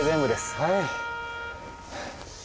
はい。